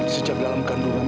sejak dalam kandunganmu